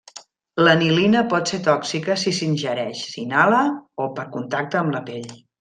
L'anilina pot ser tòxica si s'ingereix, inhala o per contacte amb la pell.